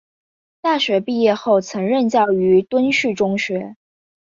大学毕业后曾任教于敦叙中学。